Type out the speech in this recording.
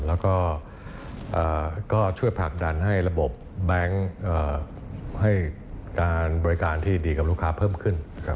แล้วก็ช่วยผลักดันให้ระบบแบงค์ให้การบริการที่ดีกับลูกค้าเพิ่มขึ้น